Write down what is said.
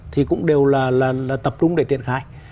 thì cũng đều là tập trung để triển khai